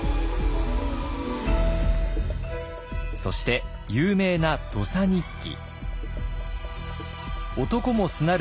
そして有名な「土佐日記」。